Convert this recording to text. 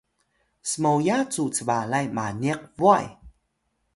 smoya cu cbalay maniq bway